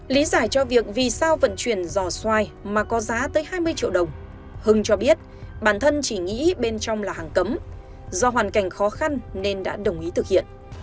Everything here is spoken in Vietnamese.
lý giải cho việc vì sao vận chuyển giòa mà có giá tới hai mươi triệu đồng hưng cho biết bản thân chỉ nghĩ bên trong là hàng cấm do hoàn cảnh khó khăn nên đã đồng ý thực hiện